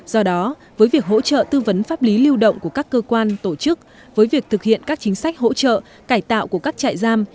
do đó với việc hỗ trợ tư vấn pháp lý lưu động của các cơ quan tổ chức với việc thực hiện các chính sách hỗ trợ cải tạo của các trại giam